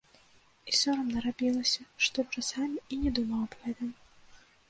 І сорамна рабілася, што часамі і не думаў аб гэтым.